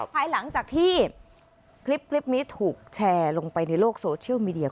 ภายหลังจากที่คลิปนี้ถูกแชร์ลงไปในโลกโซเชียลมีเดีย